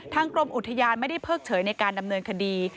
กรมอุทยานไม่ได้เพิกเฉยในการดำเนินคดี